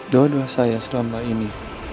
dua dua saya selama ini